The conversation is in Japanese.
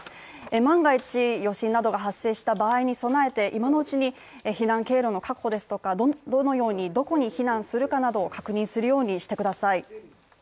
万が一余震などが発生した場合に備えて今のうちに避難経路の確保ですとかどのようにどこに避難するかなど確認するようにしてください。